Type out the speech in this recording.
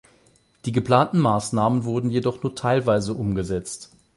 Die geplanten Maßnahmen wurden jedoch nur teilweise umgesetzt.